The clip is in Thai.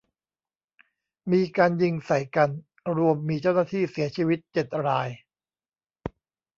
มีการยิงใส่กัน รวมมีเจ้าหน้าที่เสียชีวิตเจ็ดราย